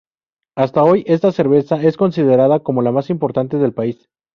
Hasta hoy esta cerveza es considerada como la más importante del país.